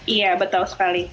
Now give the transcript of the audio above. iya betul sekali